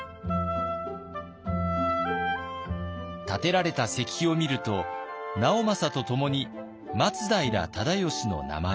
立てられた石碑を見ると直政とともに松平忠吉の名前が。